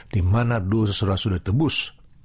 dimana dosa sudah tebus